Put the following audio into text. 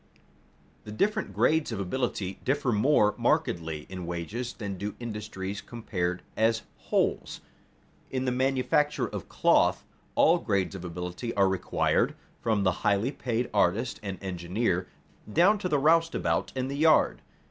The different grades of ability differ more markedly in wages than do industries compared as wholes. In the manufacture of cloth all grades of ability are required, from the highly paid artist and engineer, down to the roustabout in the yard.